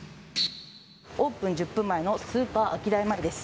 オープン１０分前のスーパーアキダイ前です。